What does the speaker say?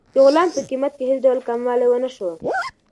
د غلام په قیمت کې هېڅ ډول کموالی ونه شو.